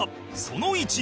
その１